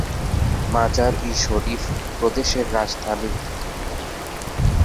মাজার-ই-শরিফ প্রদেশের রাজধানী।